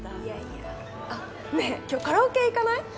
あっねえ今日カラオケ行かない？